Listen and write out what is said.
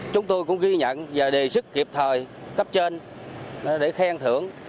chúng tôi cũng ghi nhận và đề sức kịp thời cấp trên để khen thưởng